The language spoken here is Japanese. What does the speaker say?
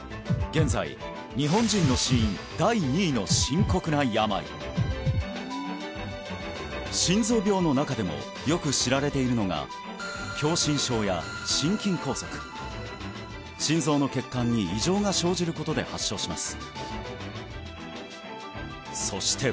現在日本人の死因第２位の深刻な病心臓病の中でもよく知られているのが狭心症や心筋梗塞心臓の血管に異常が生じることで発症します